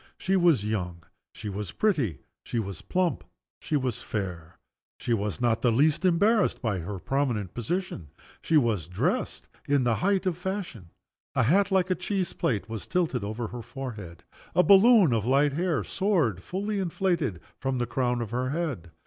She was young, she was pretty, she was plump, she was fair. She was not the least embarrassed by her prominent position. She was dressed in the height of the fashion. A hat, like a cheese plate, was tilted over her forehead. A balloon of light brown hair soared, fully inflated, from the crown of her head.